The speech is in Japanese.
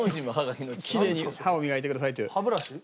きれいに歯を磨いてくださいという。